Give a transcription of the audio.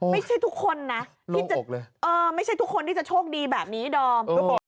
ไม่ใช่ทุกคนนะไม่ใช่ทุกคนที่จะโชคดีแบบนี้ดอม